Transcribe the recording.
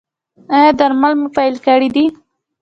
ایا درمل مو پیل کړي دي؟